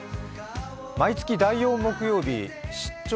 毎月第４木曜日「出張！